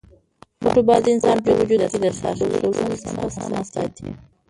فوټبال د انسان په وجود کې د ساه اخیستلو سیسټم په سمه ساتي.